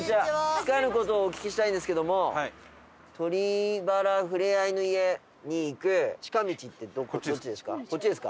つかぬ事をお聞きしたいんですけども鳥居原ふれあいの館に行く近道ってどっちですか？